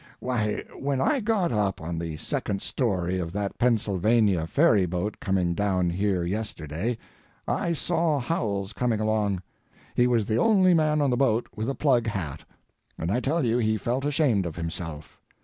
Why, when I got up on the second story of that Pennsylvania ferry boat coming down here yesterday I saw Howells coming along. He was the only man on the boat with a plug hat, and I tell you he felt ashamed of himself.